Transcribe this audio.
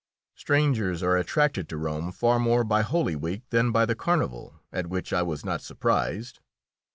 Strangers are attracted to Rome far more by Holy Week than by the carnival, at which I was not surprised.